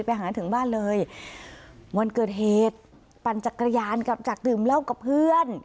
หาถึงบ้านเลยวันเกิดเหตุปั่นจักรยานกลับจากดื่มเหล้ากับเพื่อน